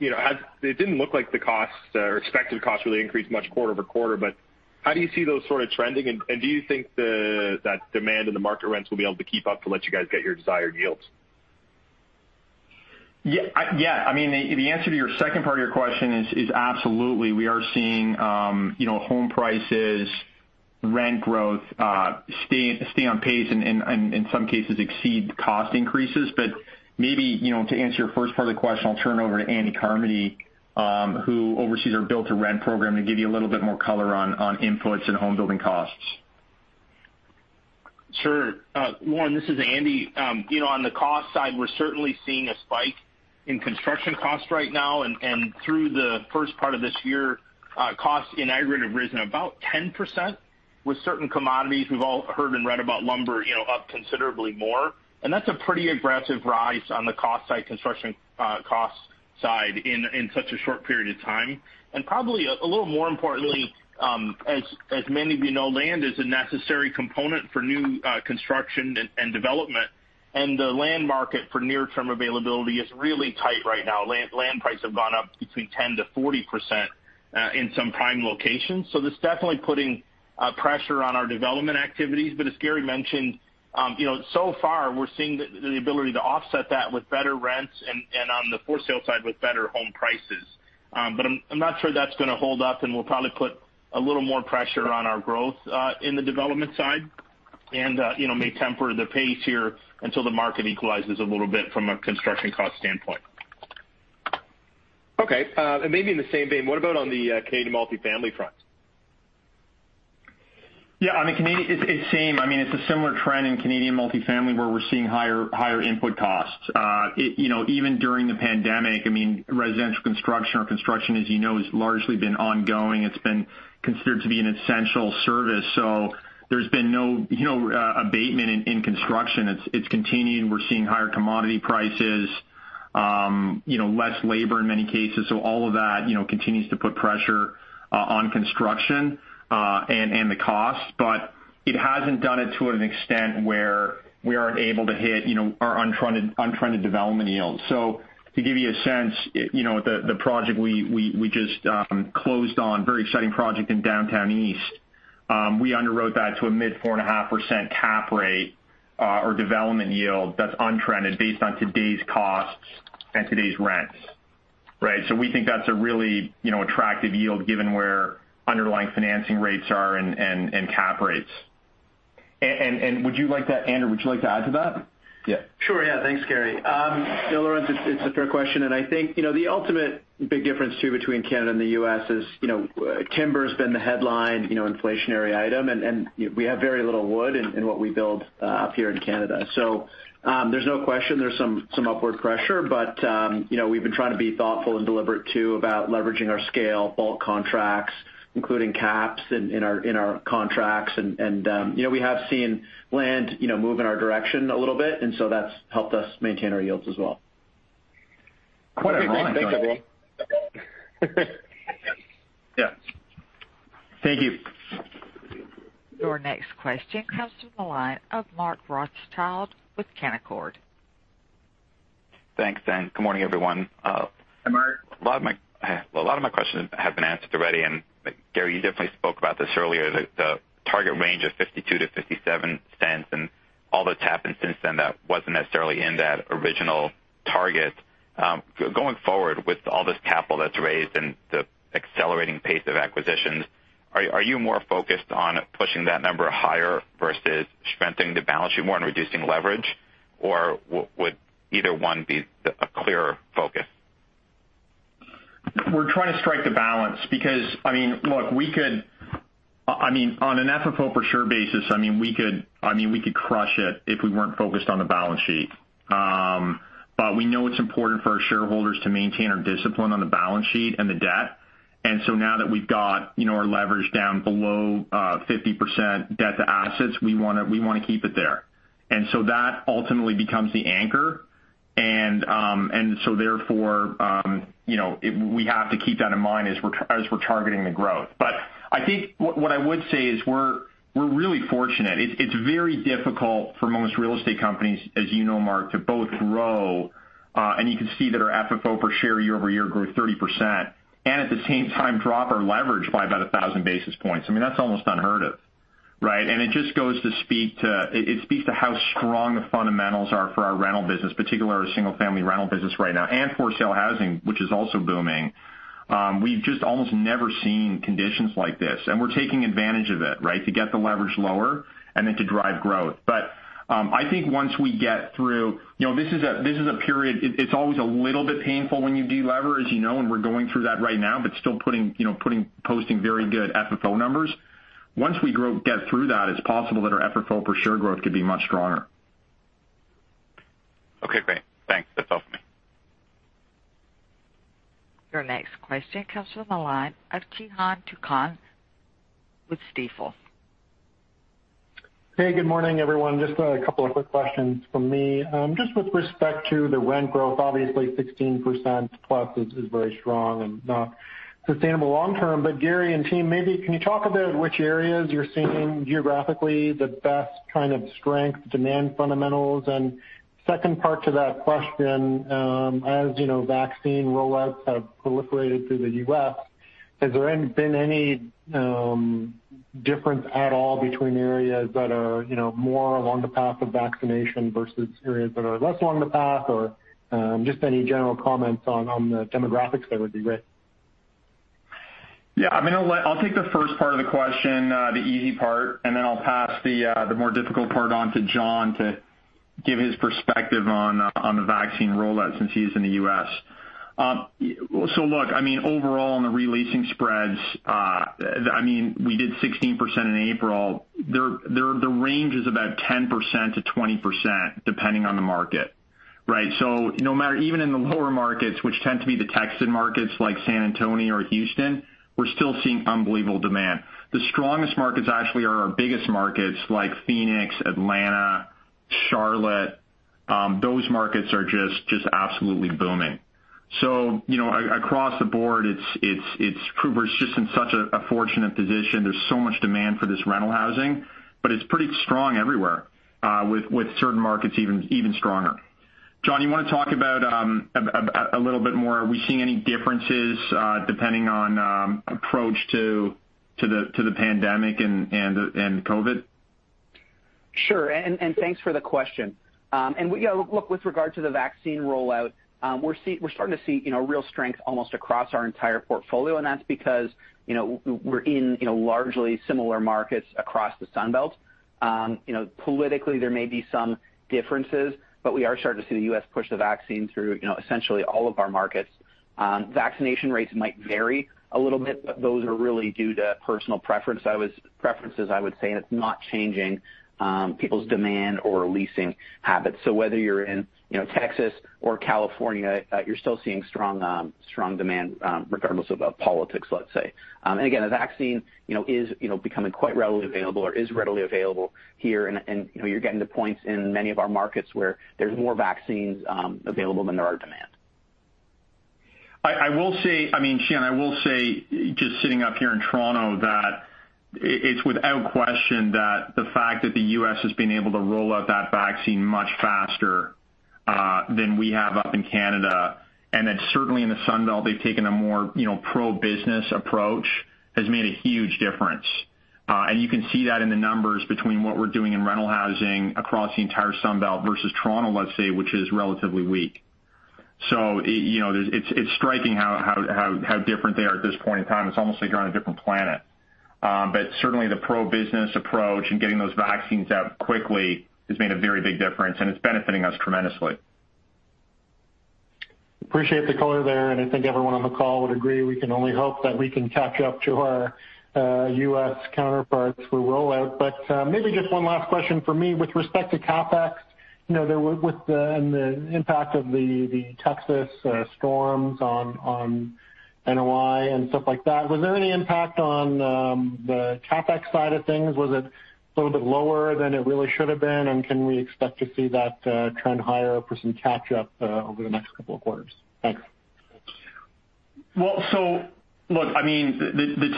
It didn't look like the costs or expected costs really increased much quarter-over-quarter, but how do you see those sort of trending, and do you think that demand in the market rents will be able to keep up to let you guys get your desired yields? The answer to your second part of your question is absolutely. We are seeing home prices, rent growth stay on pace and in some cases exceed cost increases. Maybe to answer your first part of the question, I'll turn it over to Andrew Carmody, who oversees our build-to-rent program, to give you a little bit more color on inputs and home building costs. Sure. Lorne, this is Andy. On the cost side, we're certainly seeing a spike in construction costs right now. Through the first part of this year costs in aggregate have risen about 10% with certain commodities. We've all heard and read about lumber up considerably more. That's a pretty aggressive rise on the cost side, construction cost side in such a short period of time. Probably a little more importantly as many of you know, land is a necessary component for new construction and development. The land market for near-term availability is really tight right now. Land prices have gone up between 10%-40% in some prime locations. This is definitely putting pressure on our development activities. As Gary mentioned so far we're seeing the ability to offset that with better rents and on the for-sale side with better home prices. I'm not sure that's going to hold up, and we'll probably put a little more pressure on our growth in the development side and may temper the pace here until the market equalizes a little bit from a construction cost standpoint. Okay. Maybe in the same vein, what about on the Canadian multifamily front? Canadian is same. It's a similar trend in Canadian multifamily where we're seeing higher input costs. Even during the pandemic, residential construction or construction, as you know, has largely been ongoing. It's been considered to be an essential service. There's been no abatement in construction. It's continuing. We're seeing higher commodity prices, less labor in many cases. All of that continues to put pressure on construction and the cost. It hasn't done it to an extent where we aren't able to hit our untrended development yields. To give you a sense, the project we just closed on, very exciting project in Downtown East. We underwrote that to a mid 4.5% cap rate or development yield that's untrended based on today's costs and today's rents. Right? We think that's a really attractive yield given where underlying financing rates are and cap rates. Would you like that, Andrew, would you like to add to that? Yeah. Sure. Yeah. Thanks, Gary. No, Lorne, it's a fair question, and I think, the ultimate big difference too, between Canada and the U.S. is timber's been the headline inflationary item, and we have very little wood in what we build up here in Canada. There's no question there's some upward pressure, but we've been trying to be thoughtful and deliberate too about leveraging our scale, bulk contracts, including caps in our contracts. We have seen land move in our direction a little bit, and that's helped us maintain our yields as well. Yeah. Thank you. Your next question comes from the line of Mark Rothschild with Canaccord. Thanks, and good morning, everyone. Hi, Mark. A lot of my questions have been answered already, Gary, you definitely spoke about this earlier, the target range of $0.52-$0.57 and all that's happened since then that wasn't necessarily in that original target. Going forward with all this capital that's raised and the accelerating pace of acquisitions, are you more focused on pushing that number higher versus strengthening the balance sheet more and reducing leverage, or would either one be a clearer focus? We're trying to strike a balance because, look, on an FFO per share basis, we could crush it if we weren't focused on the balance sheet. We know it's important for our shareholders to maintain our discipline on the balance sheet and the debt. Now that we've got our leverage down below 50% debt to assets, we want to keep it there. That ultimately becomes the anchor. Therefore, we have to keep that in mind as we're targeting the growth. I think what I would say is we're really fortunate. It's very difficult for most real estate companies, as you know, Mark, to both grow, and you can see that our FFO per share year-over-year grew 30%, and at the same time drop our leverage by about 1,000 basis points. That's almost unheard of, right? It just goes to speak to how strong the fundamentals are for our rental business, particularly our single-family rental business right now, and for sale housing, which is also booming. We've just almost never seen conditions like this, and we're taking advantage of it, right? To get the leverage lower and then to drive growth. I think once we get through, this is a period. It's always a little bit painful when you de-lever, as you know, and we're going through that right now, but still posting very good FFO numbers. Once we get through that, it's possible that our FFO per share growth could be much stronger. Okay, great. Thanks. That's all for me. Your next question comes from the line of Cihan Tuncay with Stifel. Hey, good morning, everyone. Just a couple of quick questions from me. Just with respect to the rent growth, obviously 16%+ is very strong and not sustainable long term, but Gary and team, maybe can you talk a bit which areas you're seeing geographically the best kind of strength, demand fundamentals? Second part to that question, as you know, vaccine rollouts have proliferated through the U.S., has there been any difference at all between areas that are more along the path of vaccination versus areas that are less along the path or just any general comments on the demographics there would be great. Yeah. I'll take the first part of the question, the easy part, and then I'll pass the more difficult part on to John to give his perspective on the vaccine rollout since he's in the U.S. Look, overall on the re-leasing spreads, we did 16% in April. The range is about 10%-20% depending on the market, right? No matter, even in the lower markets, which tend to be the Texan markets like San Antonio or Houston, we're still seeing unbelievable demand. The strongest markets actually are our biggest markets like Phoenix, Atlanta, Charlotte. Those markets are just absolutely booming. Across the board, it's proven just in such a fortunate position. There's so much demand for this rental housing, it's pretty strong everywhere, with certain markets even stronger. John, you want to talk about a little bit more, are we seeing any differences, depending on approach to the pandemic and COVID? Sure, thanks for the question. Look, with regard to the vaccine rollout, we're starting to see real strength almost across our entire portfolio, and that's because we're in largely similar markets across the Sun Belt. Politically, there may be some differences, we are starting to see the U.S. push the vaccine through essentially all of our markets. Vaccination rates might vary a little bit, but those are really due to personal preferences, I would say, and it's not changing people's demand or leasing habits. Whether you're in Texas or California, you're still seeing strong demand regardless of politics, let's say. Again, the vaccine is becoming quite readily available or is readily available here. You're getting to points in many of our markets where there's more vaccines available than there are demand. I will say, Cihan, just sitting up here in Toronto, that it's without question that the fact that the U.S. has been able to roll out that vaccine much faster than we have up in Canada, and that certainly in the Sun Belt, they've taken a more pro-business approach, has made a huge difference. You can see that in the numbers between what we're doing in rental housing across the entire Sun Belt versus Toronto, let's say, which is relatively weak. It's striking how different they are at this point in time. It's almost like you're on a different planet. Certainly the pro-business approach and getting those vaccines out quickly has made a very big difference, and it's benefiting us tremendously. Appreciate the color there. I think everyone on the call would agree we can only hope that we can catch up to our U.S. counterparts for rollout. Maybe just one last question from me. With respect to CapEx, and the impact of the Texas storms on NOI and stuff like that, was there any impact on the CapEx side of things? Was it a little bit lower than it really should've been? Can we expect to see that trend higher for some catch-up over the next couple of quarters? Thanks. The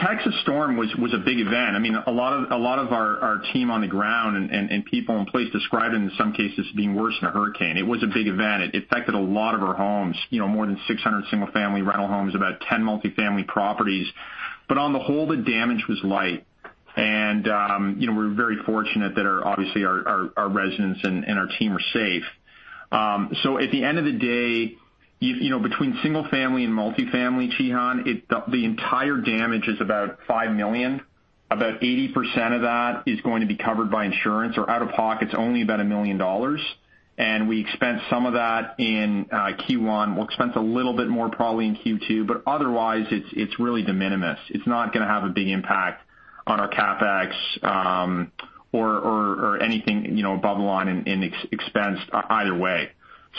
Texas storm was a big event. A lot of our team on the ground and people in place describe it in some cases being worse than a hurricane. It was a big event. It affected a lot of our homes, more than 600 single-family rental homes, about 10 multi-family properties. On the whole, the damage was light. We're very fortunate that obviously our residents and our team are safe. At the end of the day, between single family and multi-family, Cihan, the entire damage is about $5 million. About 80% of that is going to be covered by insurance. Out of pocket, it's only about a million dollars, and we expensed some of that in Q1. We'll expense a little bit more probably in Q2, otherwise, it's really de minimis. It's not going to have a big impact on our CapEx or anything bottom line in expense either way.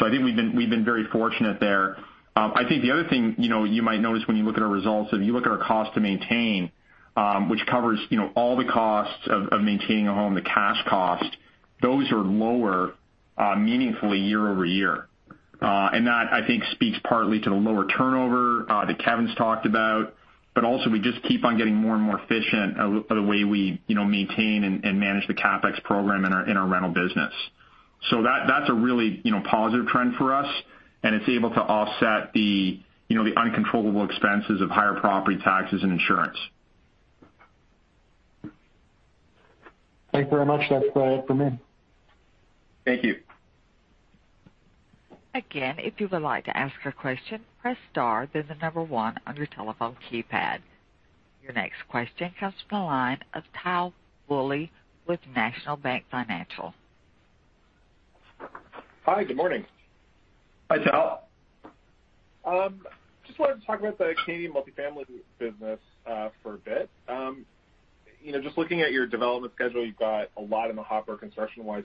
I think we've been very fortunate there. I think the other thing you might notice when you look at our results, if you look at our cost to maintain, which covers all the costs of maintaining a home, the cash cost, those are lower meaningfully year-over-year. That, I think, speaks partly to the lower turnover that Kevin's talked about. Also we just keep on getting more and more efficient of the way we maintain and manage the CapEx program in our rental business. That's a really positive trend for us, and it's able to offset the uncontrollable expenses of higher property taxes and insurance. Thank you very much. That's all for me. Thank you. Again, if you would like to ask a question, press star, then the number one on your telephone keypad. Your next question comes from the line of Tal Woolley with National Bank Financial. Hi, good morning. Hi, Tal. Just wanted to talk about the Canadian multi-family business for a bit. Just looking at your development schedule, you've got a lot in the hopper construction wise.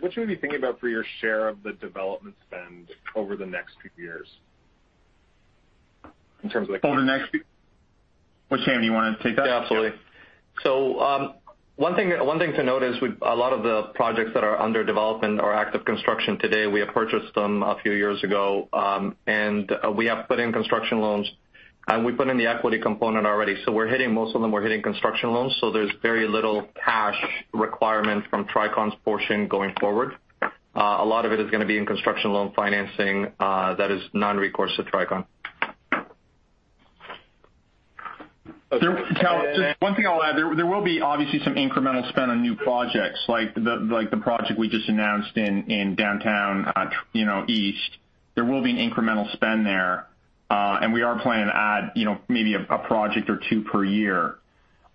What should we be thinking about for your share of the development spend over the next few years in terms of? Over the next, Wissam, you want to take that? Yeah, absolutely. One thing to note is a lot of the projects that are under development or active construction today, we have purchased them a few years ago. We have put in construction loans, and we put in the equity component already. Most of them were hitting construction loans, so there's very little cash requirement from Tricon's portion going forward. A lot of it is going to be in construction loan financing that is non-recourse to Tricon. Tal, just one thing I'll add. There will be obviously some incremental spend on new projects like the project we just announced in Downtown East. There will be an incremental spend there. We are planning to add maybe a project or two per year.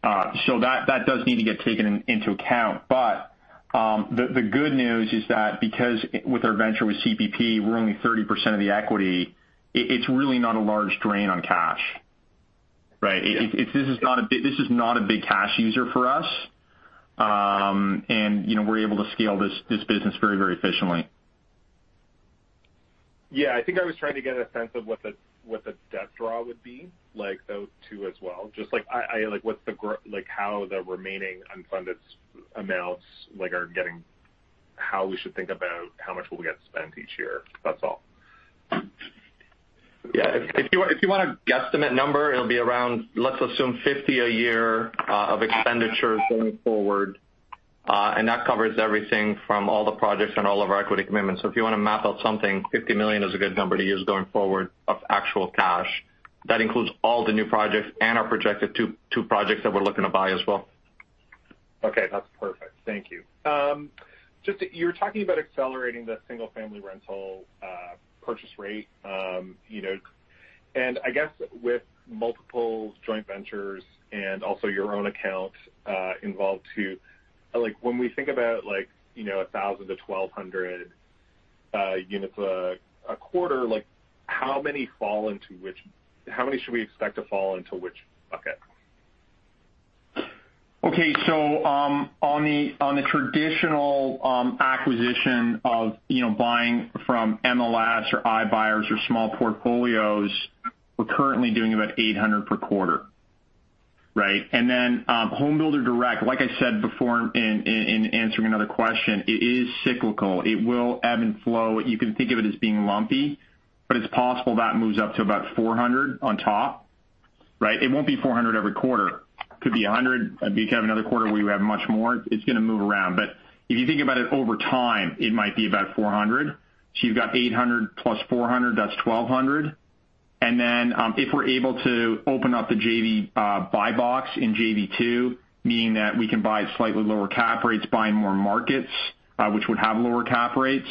That does need to get taken into account. The good news is that because with our venture with CPP, we're only 30% of the equity, it's really not a large drain on cash, right? Yeah. This is not a big cash user for us. We're able to scale this business very efficiently. Yeah, I think I was trying to get a sense of what the debt draw would be like those two as well. Just like how the remaining unfunded amounts are how we should think about how much will we get to spend each year. That's all. If you want a guesstimate number, it'll be around, let's assume $50 million a year of expenditures going forward. That covers everything from all the projects and all of our equity commitments. If you want to map out something, $50 million is a good number to use going forward of actual cash. That includes all the new projects and our projected two projects that we're looking to buy as well. Okay, that's perfect. Thank you. You were talking about accelerating the single-family rental purchase rate. I guess with multiple joint ventures and also your own account involved too, when we think about 1,000-1,200 units a quarter, how many should we expect to fall into which bucket? Okay. On the traditional acquisition of buying from MLS or iBuyers or small portfolios, we're currently doing about 800 per quarter, right? Home Builder Direct, like I said before in answering another question, it is cyclical. It will ebb and flow. You can think of it as being lumpy, but it's possible that moves up to about 400 on top, right? It won't be 400 every quarter. Could be 100. You could have another quarter where you have much more. It's going to move around. If you think about it over time, it might be about 400. You've got 800 + 400, that's 1,200. If we're able to open up the JV buy box in JV-2, meaning that we can buy at slightly lower cap rates, buy in more markets, which would have lower cap rates,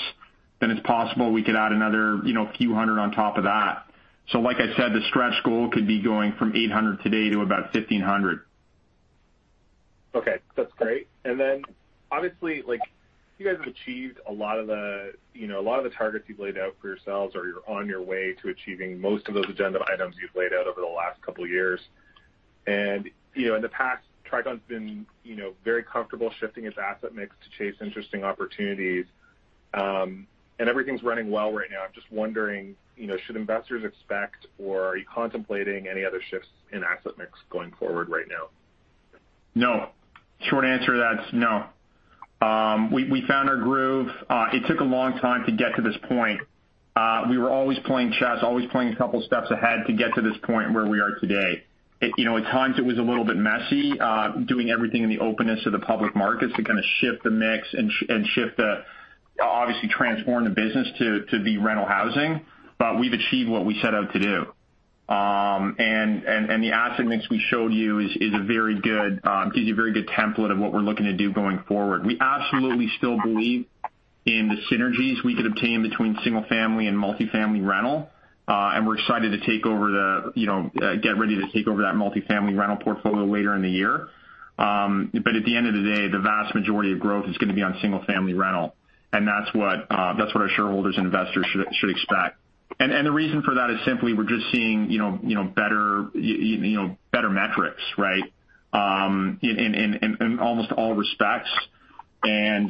then it's possible we could add another few hundred on top of that. Like I said, the stretch goal could be going from 800 today to about 1,500. Okay. That's great. Obviously, you guys have achieved a lot of the targets you've laid out for yourselves, or you're on your way to achieving most of those agenda items you've laid out over the last couple of years. In the past, Tricon's been very comfortable shifting its asset mix to chase interesting opportunities. Everything's running well right now. I'm just wondering, should investors expect, or are you contemplating any other shifts in asset mix going forward right now? No. Short answer to that is no. We found our groove. It took a long time to get to this point. We were always playing chess, always playing a couple steps ahead to get to this point where we are today. At times it was a little bit messy, doing everything in the openness of the public markets to kind of shift the mix and obviously transform the business to be rental housing. We've achieved what we set out to do. The asset mix we showed you is a very good template of what we're looking to do going forward. We absolutely still believe in the synergies we could obtain between single-family and multi-family rental. We're excited to get ready to take over that multi-family rental portfolio later in the year. At the end of the day, the vast majority of growth is going to be on single-family rental, and that's what our shareholders and investors should expect. The reason for that is simply we're just seeing better metrics, right, in almost all respects. When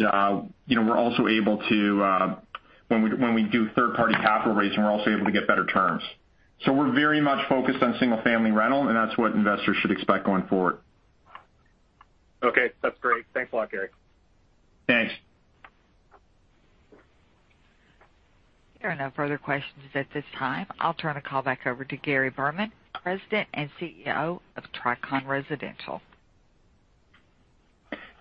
we do third-party capital raising, we're also able to get better terms. We're very much focused on single-family rental, and that's what investors should expect going forward. Okay. That's great. Thanks a lot, Gary. Thanks. There are no further questions at this time. I'll turn the call back over to Gary Berman, President and CEO of Tricon Residential.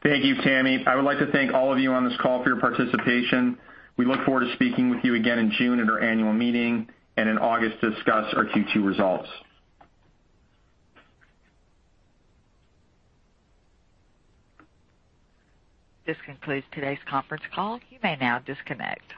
Thank you, Tammy. I would like to thank all of you on this call for your participation. We look forward to speaking with you again in June at our annual meeting and in August to discuss our Q2 results. This concludes today's conference call. You may now disconnect.